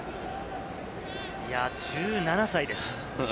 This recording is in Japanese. １７歳です。